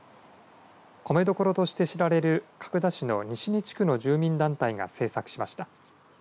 米どころとして知られる角田市の西根地区の住民団体が制作しました。